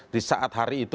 di saat hari itu